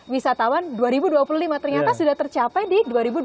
wisatawan dua ribu dua puluh lima ternyata sudah tercapai di dua ribu dua puluh